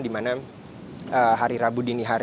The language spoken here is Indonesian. di mana hari rabu